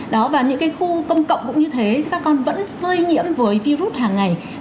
đó và những cái khu công cộng cũng như thế thì các con vẫn sơi nhiễm với virus hàng ngày